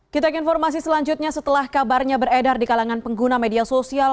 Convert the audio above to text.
kita ke informasi selanjutnya setelah kabarnya beredar di kalangan pengguna media sosial